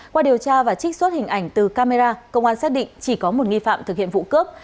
qua điều tra và trích xuất hình ảnh từ camera công an xác định chỉ có một nghi phạm thực hiện vụ cướp